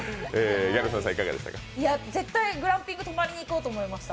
絶対、グランピング泊まりに行こうって思いました。